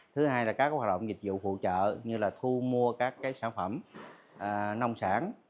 thứ hai là các hoạt động dịch vụ phụ trợ như là thu mua các sản phẩm nông sản